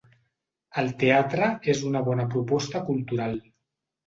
El teatre és una bona proposta cultural.